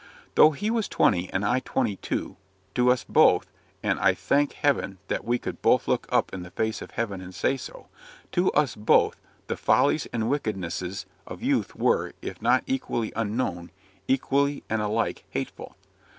Though he was twenty and I twenty two to us both and I thank Heaven that we could both look up in the face of Heaven and say so! to us both, the follies and wickednesses of youth were, if not equally unknown, equally and alike hateful.